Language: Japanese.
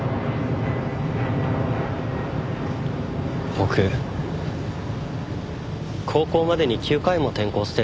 僕高校までに９回も転校してるんです。